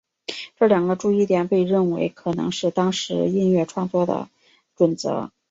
这两个注意点被认为可能是当时音乐创作的准则。